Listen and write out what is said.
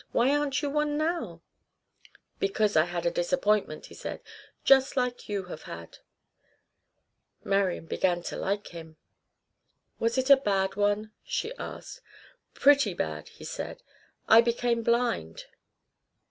"Why aren't you one now?" "Because I had a disappointment," he said, "just like you have had." Marian began to like him. "Was it a bad one?" she asked. "Pretty bad," he said. "I became blind."